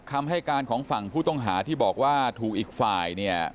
คำให้การของฝั่งผู้ต้องหาที่บอกว่าถูกอีกฝ่ายเนี่ย